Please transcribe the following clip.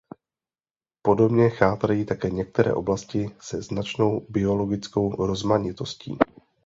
Podobně chátrají také některé oblasti se značnou biologickou rozmanitostí.